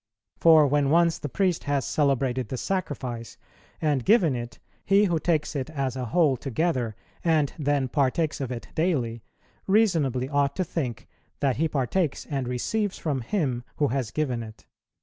For when once the priest has celebrated the Sacrifice and given it, he who takes it as a whole together, and then partakes of it daily, reasonably ought to think that he partakes and receives from him who has given it."